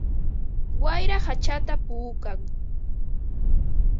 Wayra hachata puukan.